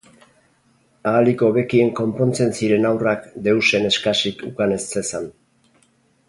Ahalik hobekien konpontzen ziren haurrak deusen eskasik ukan ez zezan.